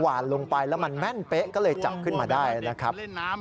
หวานลงไปแล้วมันแม่นเป๊ะก็เลยจับขึ้นมาได้นะครับ